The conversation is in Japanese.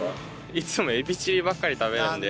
いつもエビチリばっかり食べるんで。